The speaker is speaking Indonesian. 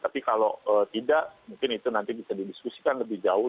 tapi kalau tidak mungkin itu nanti bisa didiskusikan lebih jauh